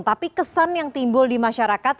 tapi kesan yang timbul di masyarakat